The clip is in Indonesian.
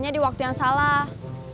di waktu yang salah